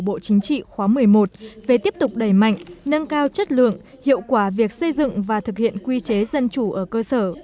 bộ chính trị khóa một mươi một về tiếp tục đẩy mạnh nâng cao chất lượng hiệu quả việc xây dựng và thực hiện quy chế dân chủ ở cơ sở